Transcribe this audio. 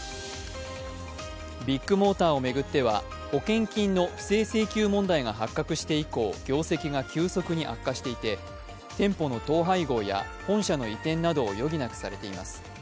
ビッグモーターを巡っては保険金の不正請求問題が発覚して以降業績が急速に悪化していて店舗の統廃合や本社の移転などを余儀なくされています。